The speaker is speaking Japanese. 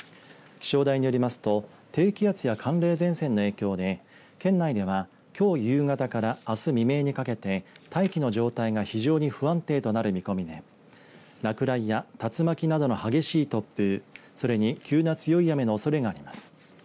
気象台によりますと低気圧や寒冷前線の影響で県内では、きょう夕方からあす未明にかけて大気の状態が非常に不安定となる見込みで落雷や竜巻などの激しい突風それに急な強い雨のおそれがあります。